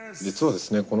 実はですね